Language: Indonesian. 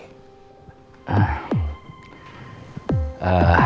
kalau bu nawang tidak kerja disini lagi